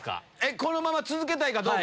このまま続けたいかどうか？